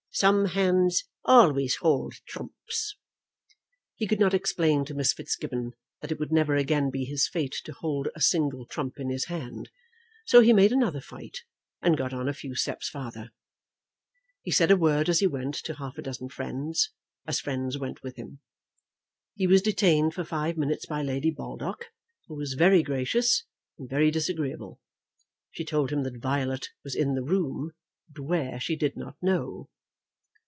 "Some hands always hold trumps." He could not explain to Miss Fitzgibbon that it would never again be his fate to hold a single trump in his hand; so he made another fight, and got on a few steps farther. He said a word as he went to half a dozen friends, as friends went with him. He was detained for five minutes by Lady Baldock, who was very gracious and very disagreeable. She told him that Violet was in the room, but where she did not know.